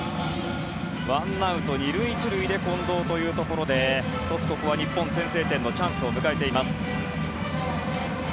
ワンアウト２塁１塁で近藤というところで１つ、日本は先制点のチャンスを迎えています。